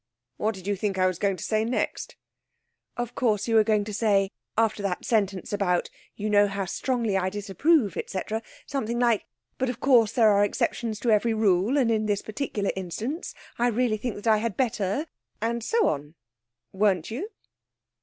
What did you think I was going to say next?' 'Of course, you were going to say, after that sentence about "you know how strongly I disapprove," etc., something like, "But, of course, there are exceptions to every rule, and in this particular instance I really think that I had better," and so on. Weren't you?'